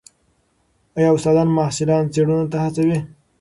ایا استادان محصلان څېړنو ته هڅوي؟